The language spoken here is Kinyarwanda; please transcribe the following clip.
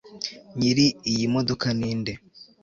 Nyiri iyi modoka ninde